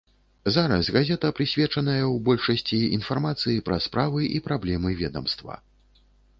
Зараз газета прысвечаная ў большасці інфармацыі пра справы і праблемы ведамства.